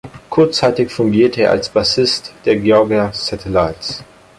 Kurzzeitig fungierte er als Bassist der Georgia Satellites.